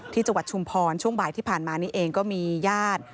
จังหวัดชุมพรช่วงบ่ายที่ผ่านมานี้เองก็มีญาติ